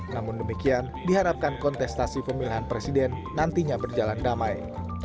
namun demikian diharapkan kontestasi pemilihan presiden nantinya berjalan damai